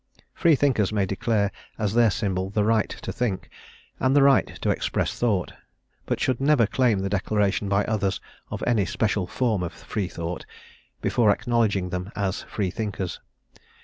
Freethinkers may declare as their symbol the Right to Think, and the Right to express thought, but should never claim the declaration by others of any special form of Freethought, before acknowledging them as Freethinkers.